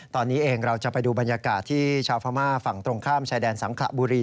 ตอนนี้เองเราจะไปดูบรรยากาศที่ชาวพม่าฝั่งตรงข้ามชายแดนสังขระบุรี